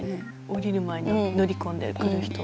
降りる前に乗り込んでくる人。